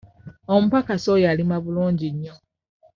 Omupakasi oyo alima bulungi nnyo.